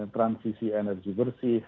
transisi energi bersih